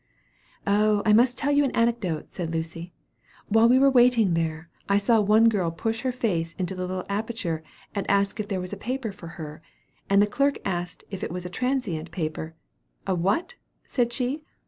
"Oh, I must tell you an anecdote," said Lucy. "While we were waiting there, I saw one girl push her face into the little aperture, and ask if there was a paper for her; and the clerk asked if it was a transient paper. 'A what?' said she.